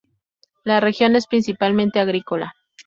La región es principalmente agrícola.